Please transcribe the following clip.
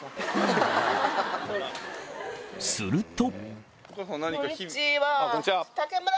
すると！